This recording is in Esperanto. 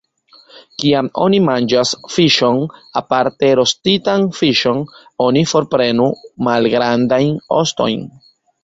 Kiam oni manĝas fiŝon, aparte rostitan fiŝon, oni forprenu malgrandajn ostojn.